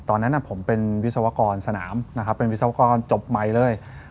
ตอนนั้นผมเป็นวิศวกรสนามเป็นวิศวกรจบไมค์เลย